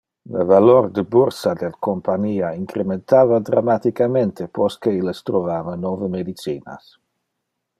Le valor de bursa del compania incrementava dramaticamente post que illes trovava nove medicinas.